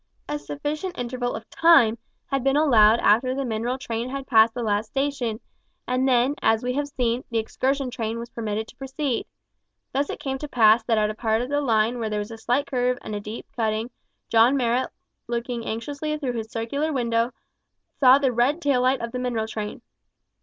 A sufficient interval of time had been allowed after the mineral train had passed the last station, and then, as we have seen, the excursion train was permitted to proceed. Thus it came to pass that at a part of the line where there was a slight curve and a deep cutting, John Marrot looking anxiously through his circular window, saw the red tail light of the mineral train.